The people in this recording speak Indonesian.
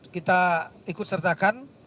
kita ikut sertakan